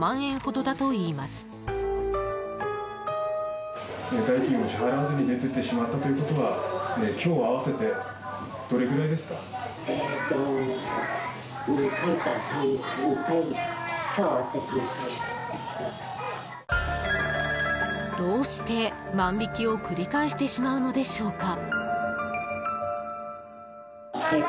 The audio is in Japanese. どうして、万引きを繰り返してしまうのでしょうか。